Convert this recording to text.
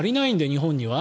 日本には。